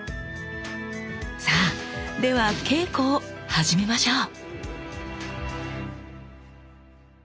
さあでは稽古を始めましょう！